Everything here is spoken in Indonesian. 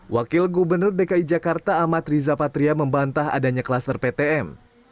wakil gubernur dki jakarta amat riza patria membantah adanya kluster ptm